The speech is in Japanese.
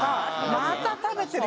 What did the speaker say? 「また食べてる。